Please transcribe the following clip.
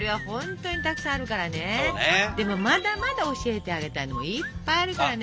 でもまだまだ教えてあげたいのいっぱいあるからね。